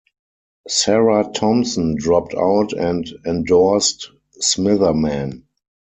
Sarah Thomson dropped out and endorsed Smitherman.